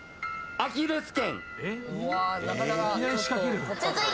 アキレス腱。